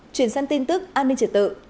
chuyển sang tin tức an ninh trở tự